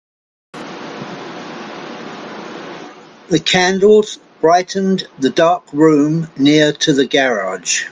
The candles brightened the dark room near to the garage.